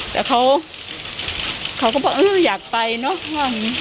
แต่เขาก็บอกอยากไปเนอะ